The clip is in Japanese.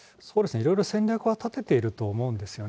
いろいろ戦略は立てていると思うんですよね。